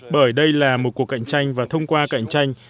bởi đây là một cuộc cạnh tranh và thông qua cạnh tranh